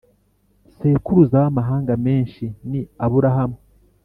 sekuruza w’ amahanga menshi ni aburahamu.